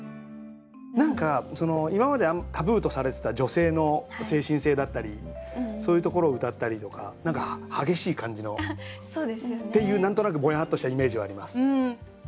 何か今までタブーとされてた女性の精神性だったりそういうところをうたったりとか何か激しい感じのっていう何となくぼやっとしたイメージはあります。